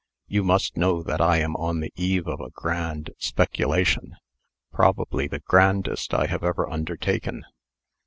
You must know that I am on the eve of a grand speculation probably the grandest I have ever undertaken."